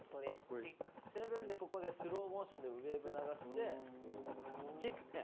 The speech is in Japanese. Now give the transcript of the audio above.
セブンでここでスローモーションでウエーブ流してキックケン。